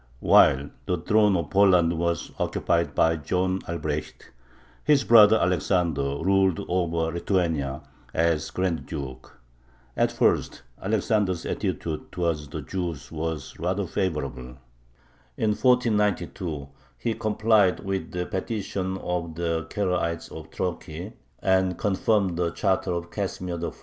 While the throne of Poland was occupied by John Albrecht, his brother Alexander ruled over Lithuania as grand duke. At first Alexander's attitude towards the Jews was rather favorable. In 1492 he complied with the petition of the Karaites of Troki, and confirmed the charter of Casimir IV.